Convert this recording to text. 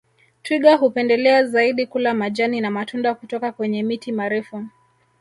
Twiga hupendelea zaidi kula majani na matunda kutoka kwenye miti marefu